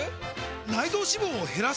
内臓脂肪を減らす！？